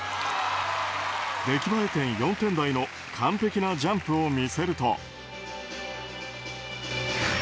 出来栄え点４点台の完璧なジャンプを見せると。